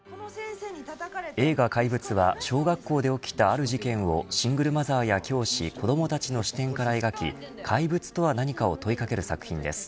映画怪物は小学校で起きたある事件をシングルマザーや教師子どもたちの視点から描き怪物とは何かを問いかける作品です。